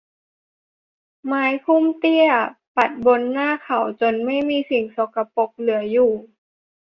ไม้พุ่มเตี้ยปัดบนหน้าเขาจนไม่มีสิ่งสกปรกเหลืออยู่